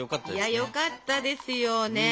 いやよかったですよね。